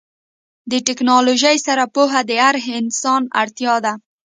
د ټیکنالوژۍ سره پوهه د هر انسان اړتیا ده.